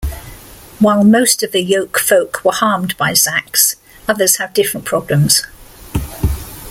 While most of the Yolkfolk were harmed by Zaks, others have different problems.